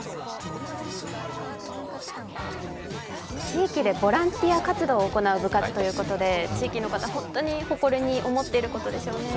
地域でボランティア活動を行う部活ということで地域の方、本当に誇りに思っていることでしょうね。